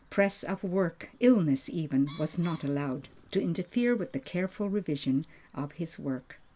Press of work, illness even, was not allowed to interfere with the careful revision of his work.